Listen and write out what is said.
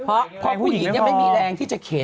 เพราะผู้หญิงไม่มีแรงที่จะเข็น